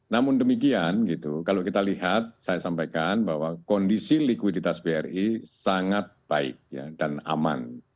namun demikian gitu kalau kita lihat saya sampaikan bahwa kondisi likuiditas bri sangat baik dan aman